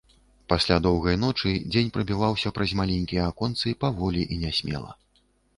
Пасля доўгай ночы дзень прабіваўся праз маленькія аконцы паволі і нясмела.